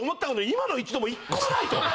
今の一度も一個もないと。